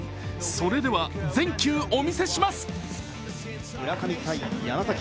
それでは全球お見せします。